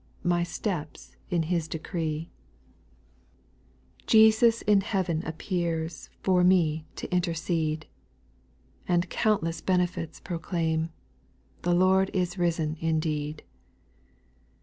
My steps in His decree. 68 SPIRITUAL SONGS. 2. Jesus in heaven appears, For me to intercede ; And countless benefits proclaim, " The Lord is ris'n indeed."